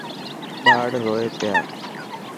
ٻاڙ روئي پيا.